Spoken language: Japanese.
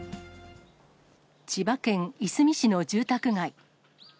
千葉県いすみ市の住宅街。